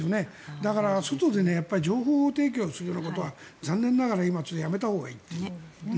だから外で情報提供するようなことは残念ながら今、やめたほうがいいという。